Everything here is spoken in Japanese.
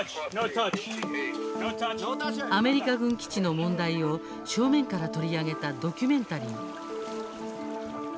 アメリカ軍基地の問題を正面から取り上げたドキュメンタリー。